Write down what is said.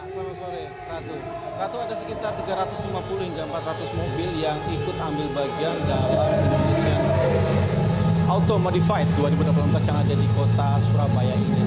selamat sore ratu ratu ada sekitar tiga ratus lima puluh hingga empat ratus mobil yang ikut ambil bagian dalam indonesia auto modified dua ribu delapan belas yang ada di kota surabaya ini